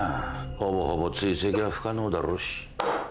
ほぼほぼ追跡は不可能だろうし。